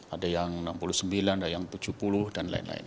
ada yang enam puluh sembilan ada yang tujuh puluh dan lain lain